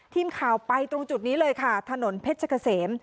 ทีมข่าวไปตรงจุดนี้เลยค่ะถนนเพชรเกษม